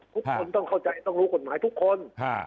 ทุกคนต้องเข้าใจต้องรู้กฎหมายทุกคน